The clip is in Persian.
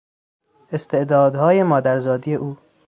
استعدادهای مادرزادی او